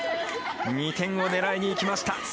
２点を狙いにいきました。